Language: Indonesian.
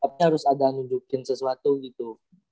tapi harus ada nunjukin sesuatu gitu